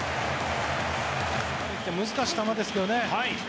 難しい球ですけどね。